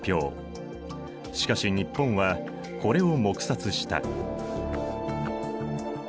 しかし日本はこれを黙殺した。